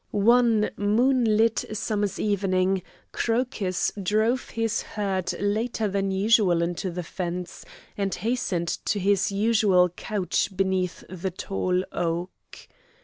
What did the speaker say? One moonlight summer's evening Crocus drove his herd later than usual into the fence, and hastened to his usual couch beneath the tall oak.